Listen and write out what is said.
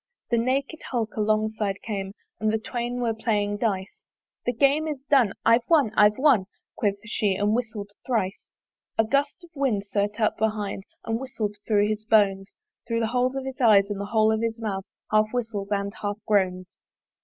The naked Hulk alongside came And the Twain were playing dice; "The Game is done! I've won, I've won!" Quoth she, and whistled thrice. A gust of wind sterte up behind And whistled thro' his bones; Thro' the holes of his eyes and the hole of his mouth Half whistles and half groans.